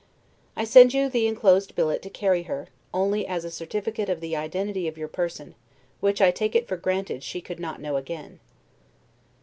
I send you the inclosed billet to carry her, only as a certificate of the identity of your person, which I take it for granted she could not know again.